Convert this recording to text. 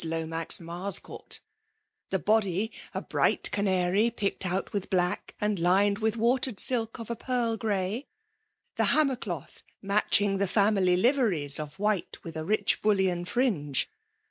Lomax Marscourt : the bodv* ft bright canary picked out with black, and lined with watered silk of a pearl grey ; the hammer cloth, matching the family liveries, of white, with a rich bullion fringe.